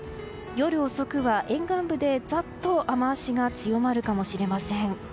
夜遅くは沿岸部でざっと雨脚が強まるかもしれません。